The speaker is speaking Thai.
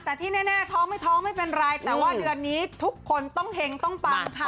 แต่ที่แน่ท้องไม่ท้องไม่เป็นไรแต่ว่าเดือนนี้ทุกคนต้องเห็งต้องปังค่ะ